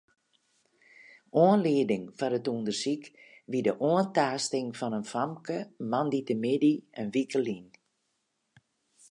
Oanlieding foar it ûndersyk wie de oantaasting fan in famke moandeitemiddei in wike lyn.